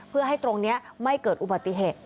เพื่อให้ตรงนี้ไม่เกิดอุบัติเหตุ